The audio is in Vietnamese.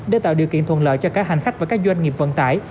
để tạo điều kiện thuận lợi cho cả hành khách và các doanh nghiệp vận tải